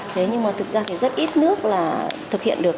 thế nhưng mà thực ra thì rất ít nước là thực hiện được